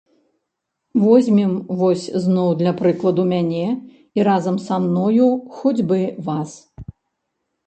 Возьмем вось зноў для прыкладу мяне і, разам са мною, хоць бы вас.